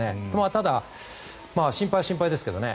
ただ、心配は心配ですけどね。